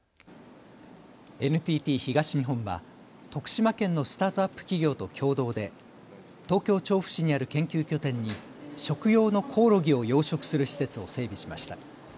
ＮＴＴ東日本は徳島県のスタートアップ企業と共同で東京調布市にある研究拠点に食用のコオロギを養殖する施設を整備しました。